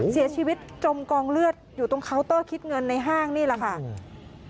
เสียชีวิตจมกองเลือดอยู่ตรงเคาน์เตอร์คิดเงินในห้างนี่แหละค่ะ